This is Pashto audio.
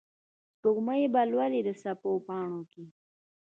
سپوږمۍ به لولي د څپو پاڼو کې